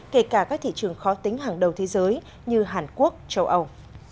kể cả các thị trường khó tính hàng đầu thế giới như hàn quốc châu âu